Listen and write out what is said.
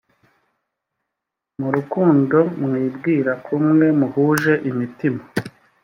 mu rukundo mwibwira kumwe muhuje imitima